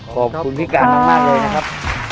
ขอบคุณพี่การมากเลยนะครับ